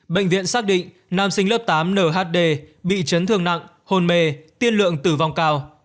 bệnh viện sát định nam sinh lớp tám nhd bị trấn thương nặng hồn mê tiên lượng tử vong cao